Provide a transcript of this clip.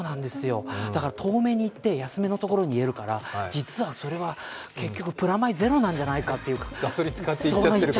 だから遠めに行って、安めのところで入れるから実はそれは結局プラマイゼロなんじゃないかガソリン使って行ってるから。